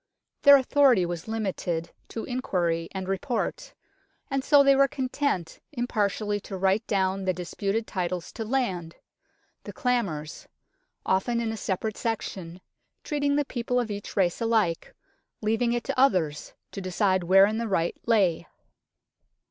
Their authority was limited to inquiry and report ; and so they were content impartially to write down the dis puted titles to land the clamores often in a separate section, treating the people of each race alike, leaving it to others to decide wherein the right lay.